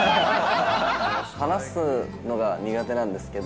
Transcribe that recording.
話すのが苦手なんですけど。